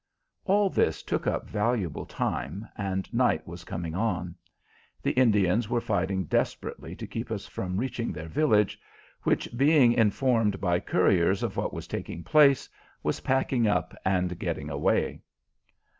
All this took up valuable time, and night was coming on. The Indians were fighting desperately to keep us from reaching their village, which, being informed by couriers of what was taking place, was packing up and getting away.